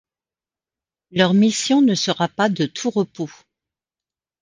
Leur mission ne sera pas de tout repos.